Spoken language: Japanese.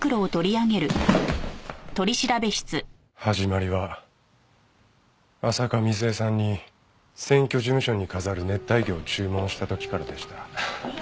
始まりは浅香水絵さんに選挙事務所に飾る熱帯魚を注文した時からでした。